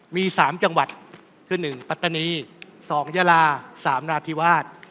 มี๓จังหวัดคือ๑ปัตตานี๒ยาลา๓นราธิวาส